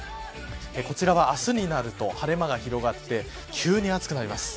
こちらは明日になると晴れ間が広がって急に暑くなります。